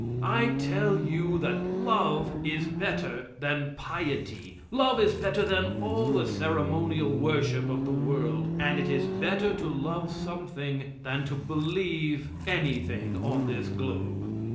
I tell you that love is better than piety, love is better than all the ceremonial worship of the world, and it is better to love something than to believe anything on this globe.